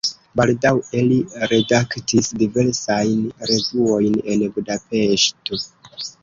Baldaŭe li redaktis diversajn revuojn en Budapeŝto.